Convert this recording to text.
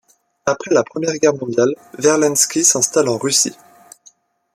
Après la Première Guerre mondiale, Verlinski s'installe en Russie.